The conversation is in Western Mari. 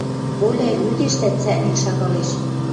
Оляй лӱдеш дӓ цӓкнен шагалеш.